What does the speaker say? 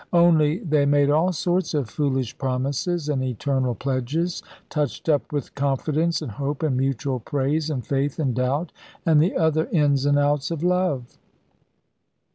Only they made all sorts of foolish promises, and eternal pledges, touched up with confidence, and hope, and mutual praise, and faith, and doubt, and the other ins and outs of love.